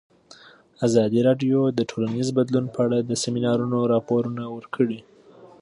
ازادي راډیو د ټولنیز بدلون په اړه د سیمینارونو راپورونه ورکړي.